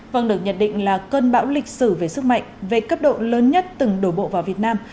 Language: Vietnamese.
vâng được nhận định là cơn bão lịch sử về sức mạnh về cấp độ lớn nhất từng đổ bộ vào việt nam